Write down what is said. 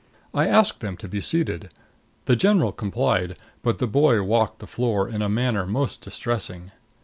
I asked them to be seated; the general complied, but the boy walked the floor in a manner most distressing.